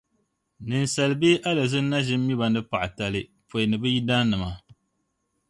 Ninsala bee alizini na ʒin mi ba ni paɣatali pɔi ni bɛ yidannima.